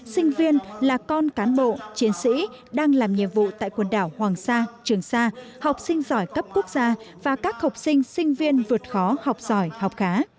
sinh viên là con cán bộ chiến sĩ đang làm nhiệm vụ tại quần đảo hoàng sa trường sa học sinh giỏi cấp quốc gia và các học sinh sinh viên vượt khó học giỏi học khá